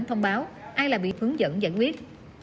thông báo ai là bị hướng dẫn giải quyết